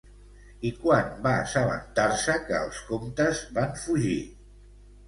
I quan va assabentar-se que els comtes van fugir?